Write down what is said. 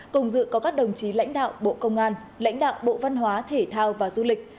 cùng dự có các đồng chí lãnh đạo bộ công an lãnh đạo bộ văn hóa thể thao và du lịch